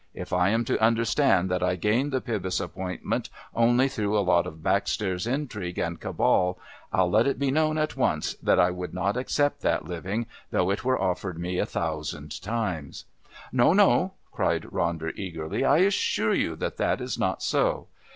If I am to understand that I gain the Pybus appointment only through a lot of backstairs intrigue and cabal, I'll let it be known at once that I would not accept that living though it were offered me a thousand times." "No, no," cried Ronder eagerly. "I assure you that that is not so.